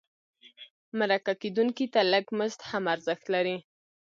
مرکه کېدونکي ته لږ مزد هم ارزښت لري.